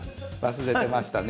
忘れてましたね。